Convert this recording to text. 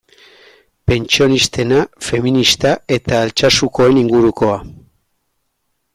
Pentsionistena, feminista eta Altsasukoen ingurukoa.